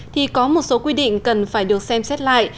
thì có một số quy định cần phải được xem xét lại